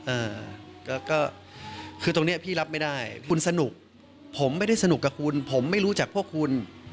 อ่าก็คือตรงเนี้ยพี่รับไม่ได้คุณสนุกผมไม่ได้สนุกกับคุณผมไม่รู้จักพวกคุณ